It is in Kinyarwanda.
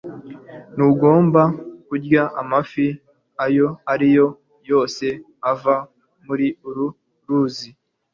Ntugomba kurya amafi ayo ari yo yose ava muri uru ruzi